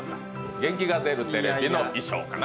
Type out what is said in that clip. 「元気が出るテレビ！！」の衣装かな？